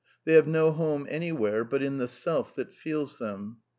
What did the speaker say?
They have no home anywhere butrntteTSeSthat feels them.